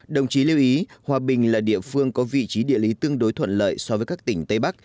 đồng chí lưu ý hòa bình là địa phương có vị trí địa lý tương đối thuận lợi so với các tỉnh tây bắc